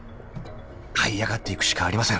［はい上がっていくしかありません］